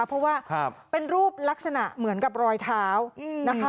เพราะว่าเป็นรูปลักษณะเหมือนกับรอยเท้านะคะ